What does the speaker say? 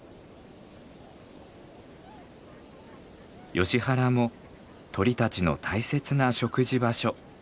ヨシ原も鳥たちの大切な食事場所。